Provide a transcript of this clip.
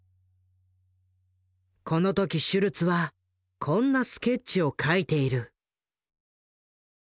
この時シュルツはこんなスケッチを描いている。